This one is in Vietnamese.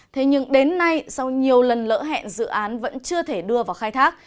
thế nhưng đến nay sau nhiều lần lỡ hẹn dự án vẫn chưa thể đưa vào khai thác